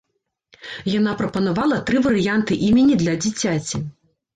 Яна прапанавала тры варыянты імені для дзіцяці.